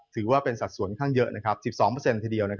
ถือว่าเป็นสัดส่วนข้างเยอะ๑๒ทีเดียว